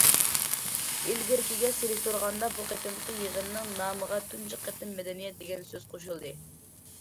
ئىلگىرىكىگە سېلىشتۇرغاندا، بۇ قېتىمقى يىغىننىڭ نامىغا تۇنجى قېتىم« مەدەنىيەت» دېگەن سۆز قوشۇلدى.